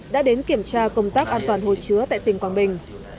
đã đến kiểm tra công tác an toàn hồ chứa tại tỉnh quảng bình